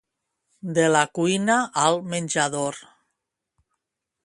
De la cuina al menjador.